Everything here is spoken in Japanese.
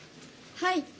はい。